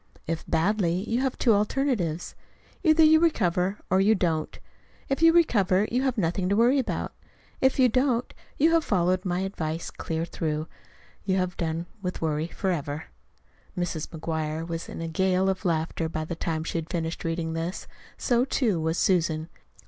If badly, you have two alternatives: either you recover or you don't. If you recover, you have nothing to worry about. If you don't, and have followed my advice clear through, you have done with worry forever. Mrs. McGuire was in a gale of laughter by the time she had finished reading this; so, too, was Susan.